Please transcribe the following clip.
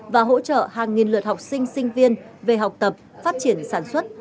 và hỗ trợ hàng nghìn lượt học sinh sinh viên về học tập phát triển sản xuất